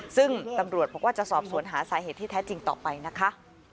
ซึ่งตำรวจบอกว่าจะสอบสวนหาสาเหตุที่แท้จริงต่อไปนะคะ